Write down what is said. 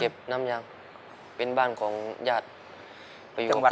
เก็บน้ำยางเป็นบ้านของญาติไปอยู่กับเขา